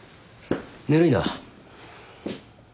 ぬるいな。